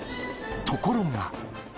ところが。